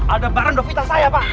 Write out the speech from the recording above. ada barang doh vital saya pak